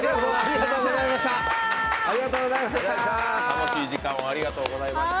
楽しい時間をありがとうございました。